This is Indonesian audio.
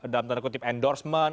dalam tanda kutip endorsement